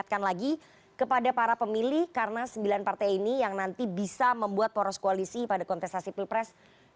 saya ingatkan lagi kepada para pemilih karena sembilan partai ini yang nanti bisa membuat poros koalisi pada kontestasi pilpres dua ribu dua puluh empat